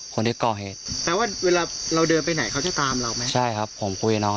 ตอนแรกผมมาดูให้แน่ใจว่ามันเผาไปหรือยัง